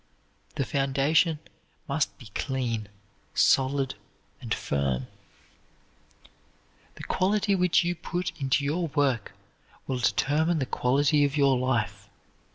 The foundation must be clean, solid, and firm. The quality which you put into your work will determine the quality of your life.